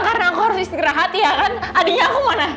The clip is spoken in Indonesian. karena aku harus istirahat ya kan adinya aku mana